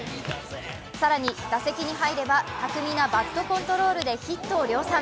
更に打席に入れば巧みなバットコントロールでヒットを量産。